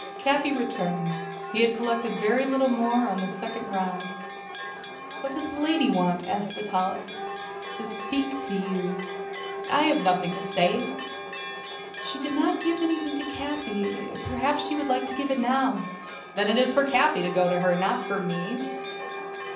Capi returned. He had collected very little more on this second round. "What does the lady want?" asked Vitalis. "To speak to you." "I have nothing to say." "She did not give anything to Capi, perhaps she would like to give it now." "Then it is for Capi to go to her, not for me."